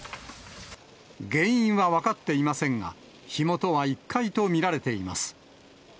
原因は分かっていませんが、火元は１階と見られています。